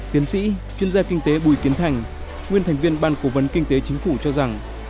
tiến sĩ chuyên gia kinh tế bùi kiến thành nguyên thành viên ban cố vấn kinh tế chính phủ cho rằng